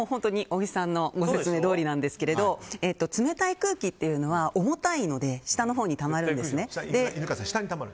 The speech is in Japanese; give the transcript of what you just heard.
小木さんのご説明どおりなんですが冷たい空気というのは重たいので下のほうにたまるんですね。